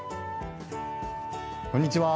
こんにちは。